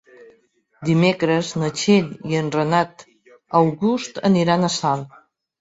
Dimecres na Txell i en Renat August aniran a Salt.